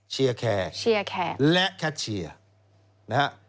เชียร์แขกและแคทเชียร์